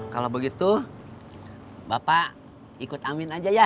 kalau begitu bapak ikut amin aja ya